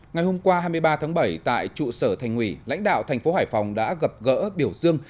ngày hôm qua hai mươi ba tháng bảy tại trụ sở thành ủy lãnh đạo thành phố hải phòng đã gặp gỡ biểu dương